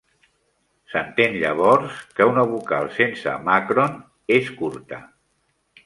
S'entén llavors que una vocal sense màcron és curta.